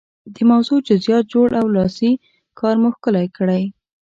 د موضوع جزئیات جوړ او لاسي کار مو ښکلی کړئ.